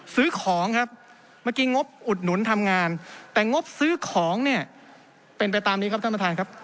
ซื้อของครับเมื่อกี้งบอุดหนุนทำงานแต่งบซื้อของเนี่ยเป็นไปตามนี้ครับท่านประธานครับ